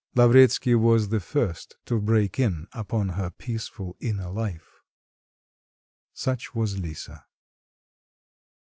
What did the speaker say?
Lavretsky was the first to break in upon her peaceful inner life. Such was Lisa.